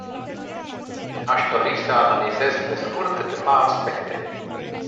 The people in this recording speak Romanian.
Aș dori să analizez pe scurt câteva aspecte.